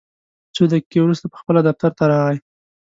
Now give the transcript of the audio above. څو دقیقې وروسته پخپله دفتر ته راغی.